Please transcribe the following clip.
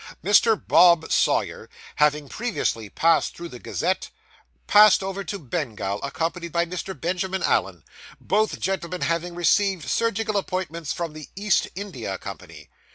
Mr. Bob Sawyer, having previously passed through the Gazette, passed over to Bengal, accompanied by Mr. Benjamin Allen; both gentlemen having received surgical appointments from the East India Company.